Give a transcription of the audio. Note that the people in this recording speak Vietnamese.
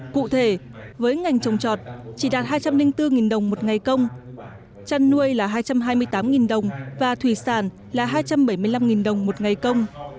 cụ thể với ngành trồng trọt chỉ đạt hai trăm linh bốn đồng một ngày công chăn nuôi là hai trăm hai mươi tám đồng và thủy sản là hai trăm bảy mươi năm đồng một ngày công